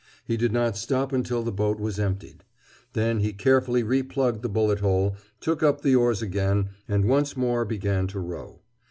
He did not stop until the boat was emptied. Then he carefully replugged the bullet hole, took up the oars again, and once more began to row.